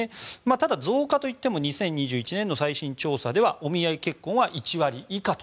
ただ増加といっても２０２１年の最新調査ではお見合い結婚は１割以下と。